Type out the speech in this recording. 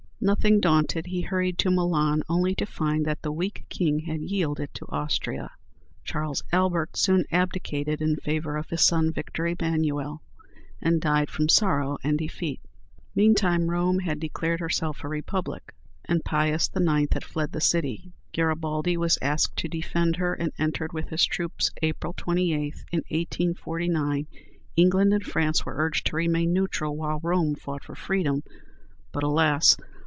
Nothing daunted, he hurried to Milan, only to find that the weak King had yielded it to Austria. Charles Albert soon abdicated in favor of his son Victor Emmanuel, and died from sorrow and defeat. Meantime Rome had declared herself a Republic, and Pius IX. had fled the city. Garibaldi was asked to defend her, and entered with his troops, April 28, in 1849. England and France were urged to remain neutral, while Rome fought for freedom. But alas!